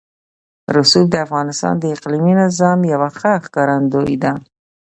رسوب د افغانستان د اقلیمي نظام یوه ښه ښکارندوی ده.